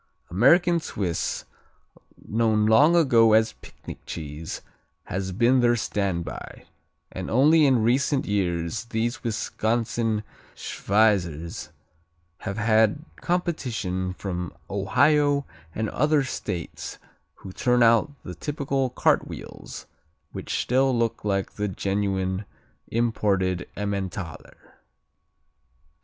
American Swiss, known long ago as picnic cheese, has been their standby, and only in recent years these Wisconsin Schweizers have had competition from Ohio and other states who turn out the typical cartwheels, which still look like the genuine imported Emmentaler.